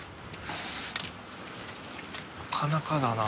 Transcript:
なかなかだな。